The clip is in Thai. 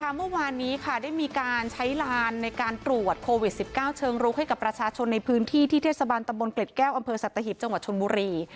เมื่อวานนี้ค่ะได้มีการใช้ลานในการตรวจโควิด๑๙เชิงรุกให้กับประชาชนในพื้นที่ที่เทศบาลตำบลเกล็ดแก้วอำเภอสัตหิบจังหวัดชนบุรี